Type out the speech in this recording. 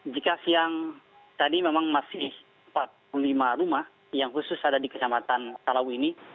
jika siang tadi memang masih empat puluh lima rumah yang khusus ada di kecamatan talawi ini